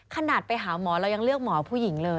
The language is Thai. ขนาดไปหาหมอเรายังเลือกหมอผู้หญิงเลย